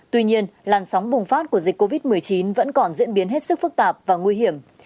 tuy nhiên làn sóng bùng phát của dịch covid một mươi chín vẫn còn diễn biến hết sức phức tạp và nguy hiểm